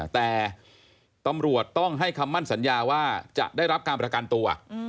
แต่ตำรวจต้องให้คำมั่นสัญญาว่าจะได้รับการประกันตัว